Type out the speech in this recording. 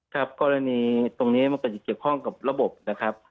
ครับกรณีตรงนี้มันก็จะเกี่ยวข้องกับระบบนะครับ